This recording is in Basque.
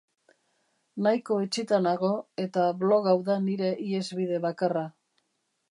Nahiko etsita nago, eta blog hau da nire ihesbide bakarra.